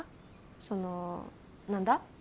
その何だ？